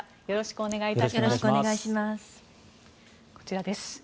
よろしくお願いします。